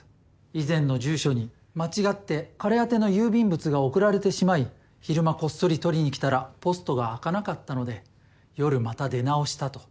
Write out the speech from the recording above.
以前の住所に間違って彼宛ての郵便物が送られてしまい昼間こっそり取りに来たらポストが開かなかったので夜また出直したと。